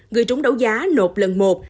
người trúng đấu giá nộp lần một